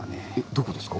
どこですか？